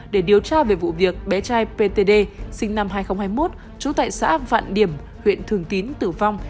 để điều tra về vụ việc bé trai ptd sinh năm hai nghìn hai mươi một trú tại xã vạn điểm huyện thường tín tử vong